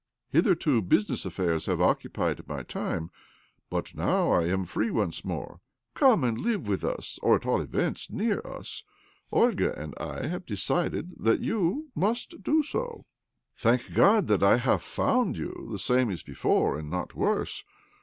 Hitherto business affairs ha ve occupied my time, but now I am free once more. Come and live with us, or, at all events, near us. Olga and I have decided that you must do so. Thank God that I h9,ve found you the same as OBLOMOV 293 before, and not worse